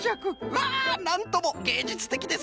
まあなんともげいじゅつてきですな。